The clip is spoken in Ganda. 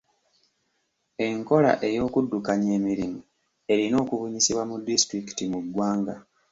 Enkola ey'okuddukanya emirimu erina okubunyisibwa mu disitulikiti mu ggwanga.